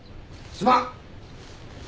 すまん。